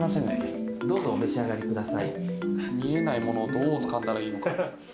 見えないものをどうつかんだらいいのか。